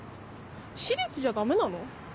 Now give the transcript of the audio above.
私立じゃダメなの？